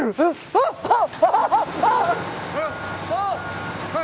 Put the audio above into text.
あっああっ！